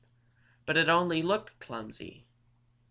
But it only looked clumsy.